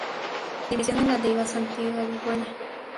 División en la Liga Santiagueña.